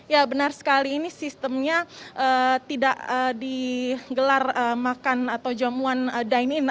ya benar sekali ini sistemnya tidak digelar makan atau jamuan dine in